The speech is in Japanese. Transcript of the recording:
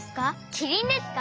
キリンですか？